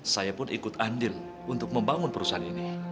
saya pun ikut andil untuk membangun perusahaan ini